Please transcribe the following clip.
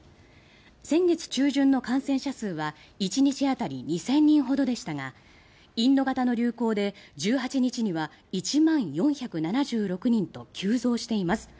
先月中旬の感染者数は１日当たり２０００人ほどでしたがインド型の流行で１８日には１万４７６人と急増しています。